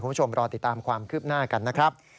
คุณผู้ชมรอติดตามความคืบหน้ากันนะครับ